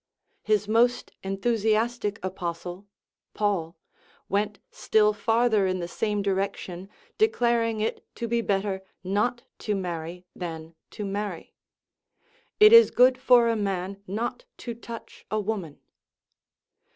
His most enthusiastic apostle, Paul, went still farther in the same direction, declaring it to be better not to marry than to marry :* It is good for a man not to touch a woman."